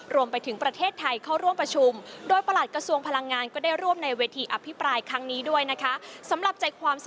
รวมไปถึงประเทศไทยเข้าร่วมประชุม